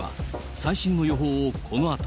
最新の予報をこのあと。